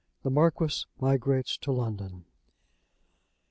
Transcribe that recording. THE MARQUIS MIGRATES TO LONDON.